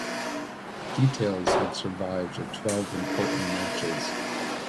Details have survived of twelve important matches.